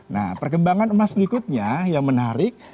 nah perkembangan emas berikutnya yang menarik